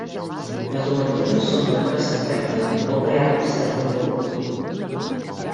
Les obertures són de traça recta o bé arcs de punt rodó.